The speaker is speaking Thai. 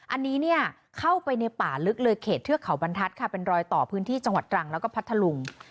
อันนี้เนี่ยเข้าไปในป่าลึกเลยเขตเทือกเขาบรรทัศน์ค่ะเป็นรอยต่อพื้นที่จังหวัดตรังแล้วก็พัทธลุง